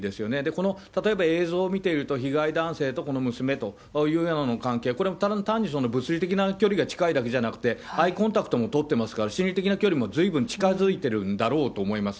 この例えば映像を見ていると、被害男性とこの娘というようなものの関係、これは単に物理的な距離が近いだけじゃなくて、アイコンタクトも取っていますから、心理的な距離もずいぶん近づいているんだろうと思います。